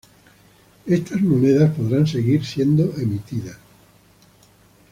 Estas monedas podrán seguir siendo emitidas.